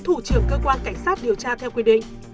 thủ trưởng cơ quan cảnh sát điều tra theo quy định